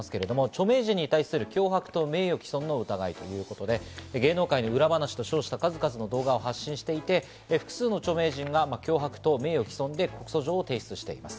著名人に対する脅迫と名誉毀損の疑いということで、芸能界の裏話と称した数々の動画を発信していて、複数の著名人が脅迫・名誉毀損として告訴状を提出してます。